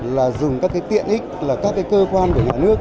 là dùng các cái tiện ích là các cái cơ quan của nhà nước